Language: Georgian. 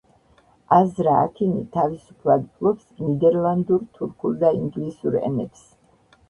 აზრა აქინი თავისუფლად ფლობს ნიდერლანდურ, თურქულ და ინგლისურ ენებს.